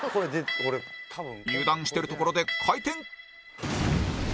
油断してるところで回転